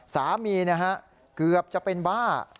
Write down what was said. สามีเกือบจะเป็นบ้า